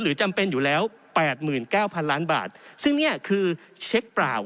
จำเป็นอยู่แล้ว๘๙๐๐ล้านบาทซึ่งเนี่ยคือเช็คเปล่า